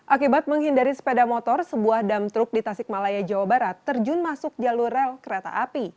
akibat menghindari sepeda motor sebuah dam truk di tasikmalaya jawa barat terjun masuk jalur rel kereta api